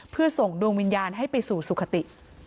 เพื่อส่งดวงวิญญาณให้ไปสู่สุขติ